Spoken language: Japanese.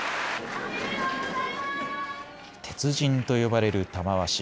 鉄人と呼ばれる玉鷲。